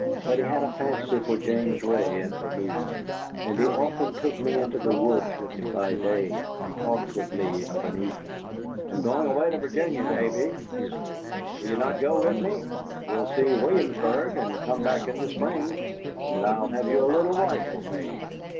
But he had a fancy for James Ray and for me, and he often took me into the woods with him by day, and talked with me of an evening. "I'm going away to Virginia, Davy," he said; "will you not go with me? We'll see Williamsburg, and come back in the spring, and I'll have you a little rifle made."